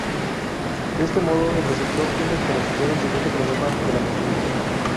De este modo el receptor tiene que resolver el siguiente problema de la mochila.